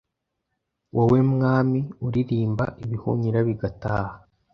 wowe mwami uririmba ibihunyira bigataha